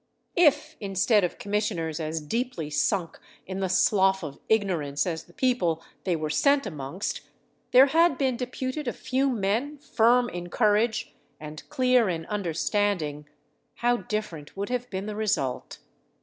If, instead of commissioners as deeply sunk in the slough of ignorance as the people they were sent amongst, there had been deputed a few men firm in courage and clear in understanding, how different would have been the result!